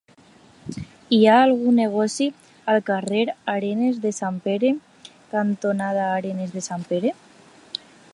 Hi ha algun negoci al carrer Arenes de Sant Pere cantonada Arenes de Sant Pere?